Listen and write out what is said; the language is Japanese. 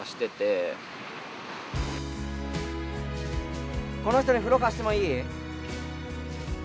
何かこうこの人に風呂貸してもいい？